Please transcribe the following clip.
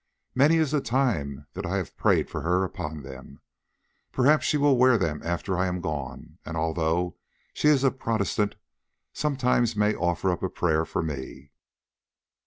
Many is the time that I have prayed for her upon them. Perhaps she will wear them after I am gone, and, although she is a Protestant, sometimes offer up a prayer for me."